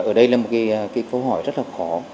ở đây là một câu hỏi rất là khó